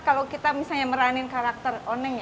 kalau kita misalnya meranin karakter